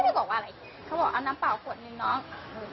เขาบอกว่าอะไรเขาบอกเอาน้ำเปล่าขวดนึงน้อง